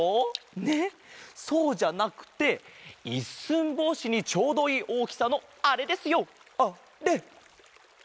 ねっそうじゃなくて一寸法師にちょうどいいおおきさのあれですよあれ！